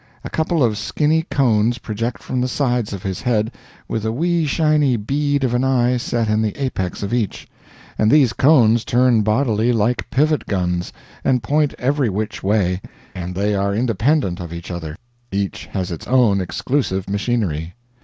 A couple of skinny cones project from the sides of his head, with a wee shiny bead of an eye set in the apex of each; and these cones turn bodily like pivot guns and point every which way, and they are independent of each other; each has its own exclusive machinery.